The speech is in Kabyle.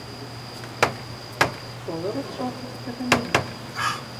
Tebɣid ad tesɛud tafekka tamaynut?